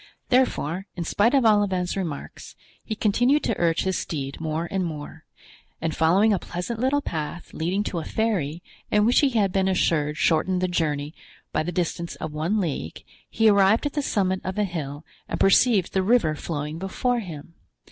Therefore, in spite of Olivain's remarks, he continued to urge his steed more and more, and following a pleasant little path, leading to a ferry, and which he had been assured shortened the journey by the distance of one league, he arrived at the summit of a hill and perceived the river flowing before him.